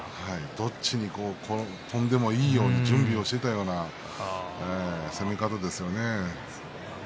どっちに相手が飛んでもいいように準備をしていたような攻め方でしたね。